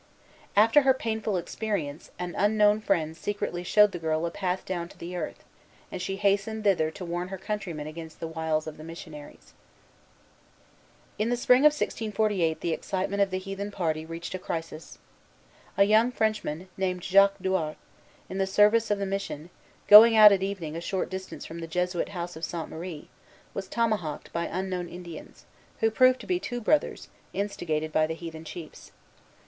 After her painful experience, an unknown friend secretly showed the girl a path down to the earth; and she hastened thither to warn her countrymen against the wiles of the missionaries. Ragueneau, Relation des Hurons, 1646, 65. In the spring of 1648 the excitement of the heathen party reached a crisis. A young Frenchman, named Jacques Douart, in the service of the mission, going out at evening a short distance from the Jesuit house of Sainte Marie, was tomahawked by unknown Indians, who proved to be two brothers, instigated by the heathen chiefs.